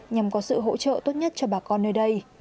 nhằm có sự hỗ trợ tốt nhất cho bà con nơi đây